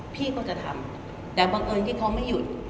พี่ก็จะทำแต่บังเอิญที่เขาไม่หยุด